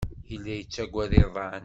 Yella yettaggad iḍan.